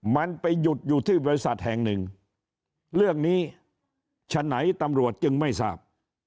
มันไปหยุดอยู่ที่บริษัทแห่งหนึ่งเรื่องนี้ฉะไหนตำรวจจึงไม่ทราบ